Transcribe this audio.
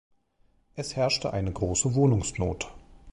Es herrschte eine große Wohnungsnot.